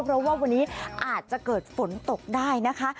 เพราะว่าวันนี้อาจจะเกิดฝนตกได้นะคะ